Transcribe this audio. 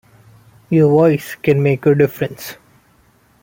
Your voice can make a difference!